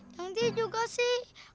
cantik juga sih